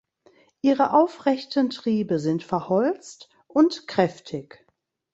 Ihre aufrechten Triebe sind verholzt und kräftig.